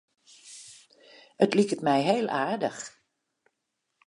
It liket my heel aardich.